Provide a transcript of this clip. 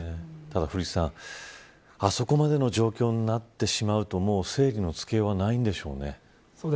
古市さん、あそこまでの状況になってしまうと制御のつけようがないでしょうね。